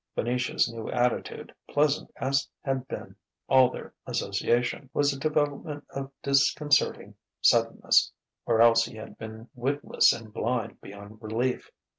Venetia's new attitude, pleasant as had been all their association, was a development of disconcerting suddenness; or else he had been witless and blind beyond relief.